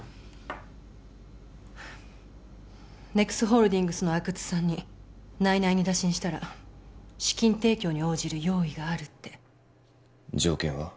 ＮＥＸホールディングスの阿久津さんに内々に打診したら資金提供に応じる用意があるって条件は？